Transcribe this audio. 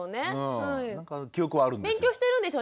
なんか記憶はあるんですよ。